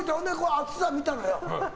厚さ見たのよ。